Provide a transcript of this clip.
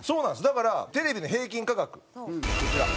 だからテレビの平均価格こちら。